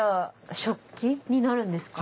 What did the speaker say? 食器になるんですか？